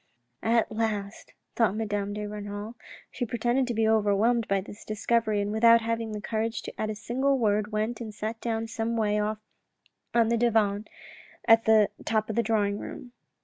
" At last," thought Madame de Renal. She pretended to be overwhelmed at this discovery, and without having the courage to add a single word, went and sat down some way off on the divan at the bottom of the drawing room.